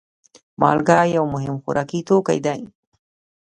مالګه یو مهم خوراکي توکی دی.